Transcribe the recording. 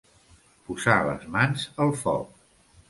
Posar les mans al foc.